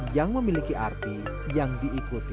yang memiliki arti yang diikuti